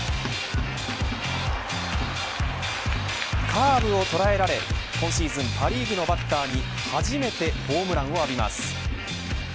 カーブを捉えられ今シーズンパ・リーグのバッターに初めてホームランを浴びます。